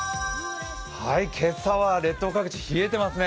今朝は列島各地冷えてますね。